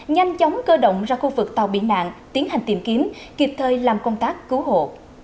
nhanh chóng cơ động ra khu vực tàu bị nạn tiến hành tìm kiếm kịp thời làm công tác cứu hộ